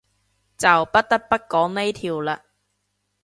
就不得不講呢條喇